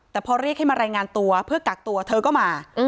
แต่พอเรียกให้มารายงานตัวเพื่อกักตัวเธอก็มา